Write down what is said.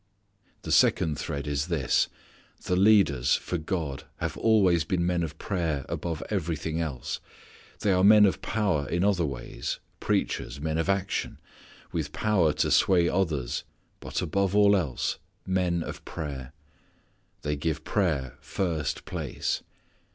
The second thread is this: the leaders for God have always been men of prayer above everything else. They are men of power in other ways, preachers, men of action, with power to sway others but above all else men of prayer. They give prayer first place.